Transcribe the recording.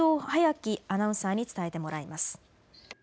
希アナウンサーに伝えてもらいます。